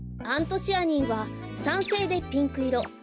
アントシアニンは酸性でピンクいろ